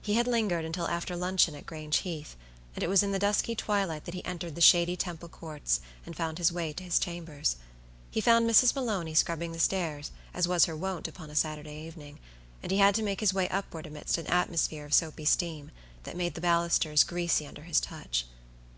He had lingered until after luncheon at Grange Heath, and it was in the dusky twilight that he entered the shady Temple courts and found his way to his chambers. He found Mrs. Maloney scrubbing the stairs, as was her wont upon a Saturday evening, and he had to make his way upward amidst an atmosphere of soapy steam, that made the balusters greasy under his touch.